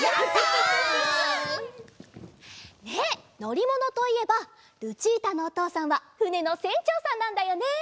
イエイ！ねえのりものといえばルチータのおとうさんはふねのせんちょうさんなんだよね？